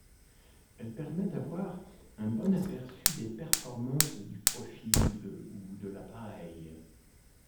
Elle permet d'avoir un bon aperçu des performances du profil ou de l'appareil.